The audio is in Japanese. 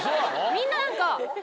みんな何か。